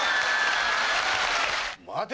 待て！